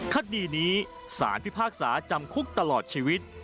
คดีนี้สารพิพากษาจำคุกตลอดชีวิต